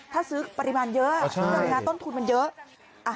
ถ้าซื้อปริมาณเยอะต้นทุนมันเยอะ